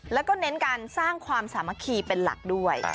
แล้วก็เน้นการสร้างความสามัคคีเป็นหลักด้วย